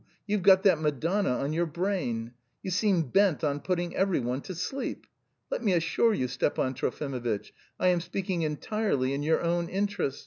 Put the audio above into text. You've got that Madonna on your brain. You seem bent on putting every one to sleep! Let me assure you, Stepan Trofimovitch, I am speaking entirely in your own interest.